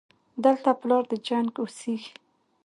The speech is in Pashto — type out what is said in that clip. دلته پلار د جنګ اوسېږي